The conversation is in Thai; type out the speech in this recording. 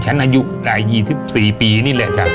หลังจากนั้นมาแม่จะมาเลือกสร้างจุดอีกช่วง๓๔ปี